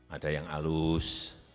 ada yang alus